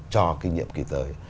cho kinh nghiệm kỳ tới